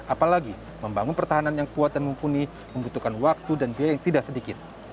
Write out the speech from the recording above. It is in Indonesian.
apalagi membangun pertahanan yang kuat dan mumpuni membutuhkan waktu dan biaya yang tidak sedikit